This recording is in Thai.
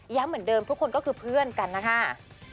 เหมือนเดิมทุกคนก็คือเพื่อนกันนะคะ